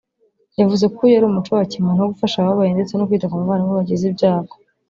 yavuze ko uyu ari umuco wa kimuntu wo gufasha abababaye ndetse no kwita ku muvandimwe wagize ibyago